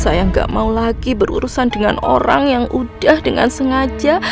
saya nggak mau lagi berurusan dengan orang yang udah dengan sengaja